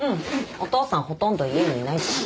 お父さんほとんど家にいないし。